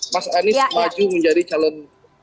mas anies maju menjadi calon